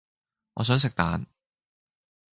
我想食蛋